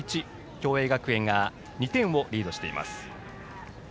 共栄学園が２点をリードしています。